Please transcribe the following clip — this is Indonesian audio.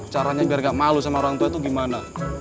caranya biar gak malu sama orang tua itu gimana